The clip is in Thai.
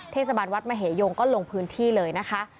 เทศบาลวัดมเหยงก็ลงพื้นที่เลยนะคะ